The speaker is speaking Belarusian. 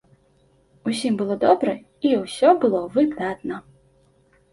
Усім было добра, і ўсё было выдатна.